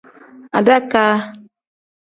Adakaa.